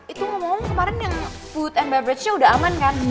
itu ngomong ngomong kemarin yang food and beverage nya udah aman kan